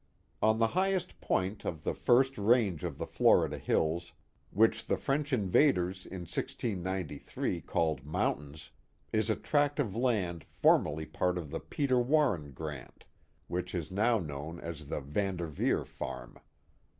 On the highest point of the first range of the Florida bills, which the French invaders in 1693 called mountains, is a tract of land formerly part of the Peter Warren grant, which is now known as the Van Dervecr farm.